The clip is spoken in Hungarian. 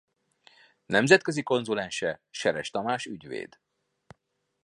Nemzetközi konzulense Seres Tamás ügyvéd.